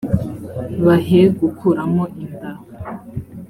bahe gukuramo inda